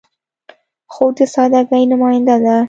خور د سادګۍ نماینده ده.